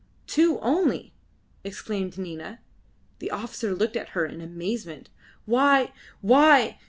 "Two only!" exclaimed Nina. The officer looked at her in amazement. "Why! why!